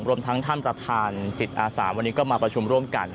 รวมทั้งท่านประธานจิตอาสาวันนี้ก็มาประชุมร่วมกัน